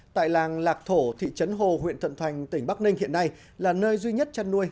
tại làng lạc thổ thị trấn hồ huyện thuận thành tỉnh bắc ninh hiện nay là nơi duy nhất chăn nuôi